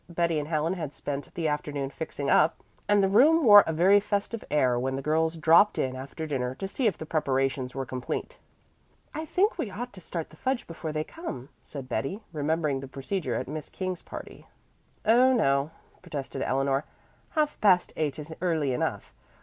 Betty and Helen had spent the afternoon "fixing up," and the room wore a very festive air when the girls dropped in after dinner to see if the preparations were complete. "I think we ought to start the fudge before they come," said Betty, remembering the procedure at Miss King's party. "Oh, no," protested Eleanor. "Half past eight is early enough.